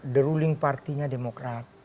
the ruling partinya demokrat